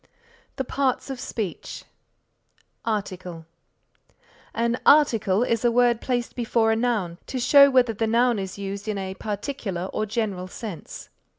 THE PARTS OF SPEECH ARTICLE An Article is a word placed before a noun to show whether the noun is used in a particular or general sense.